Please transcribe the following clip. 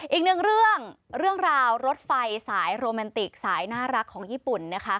อีกหนึ่งเรื่องเรื่องราวรถไฟสายโรแมนติกสายน่ารักของญี่ปุ่นนะคะ